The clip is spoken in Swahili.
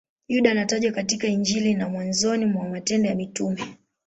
Yuda anatajwa katika Injili na mwanzoni mwa Matendo ya Mitume.